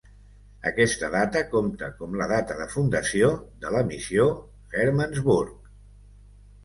Aquesta data compta com la data de fundació de la Missió Hermannsburg.